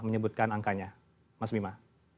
menyebutkan angkanya mas bima